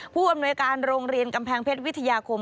ผู้อำนวยการโรงเรียนกำแพงเพชรวิทยาคม